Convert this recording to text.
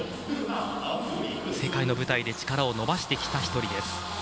世界の舞台で力を伸ばしてきた一人です。